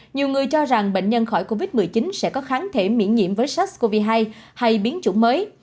nhiều người cho rằng bệnh nhân khỏi covid một mươi chín sẽ có kháng thể miễn nhiễm với sars cov hai hay biến chủng mới